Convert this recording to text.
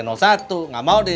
nggak mau di tujuh